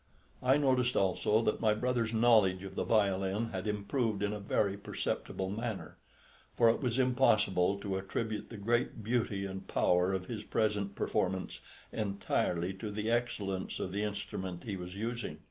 I noticed also that my brother's knowledge of the violin had improved in a very perceptible manner, for it was impossible to attribute the great beauty and power of his present performance entirely to the excellence of the instrument he was using.